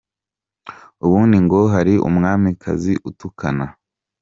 Ubundi ngo hari umwamikazi utukana ?